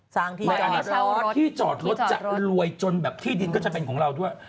ในอนาคตที่จอดรถจะรวยจนแบบที่ดินก็จะเป็นของเราด้วย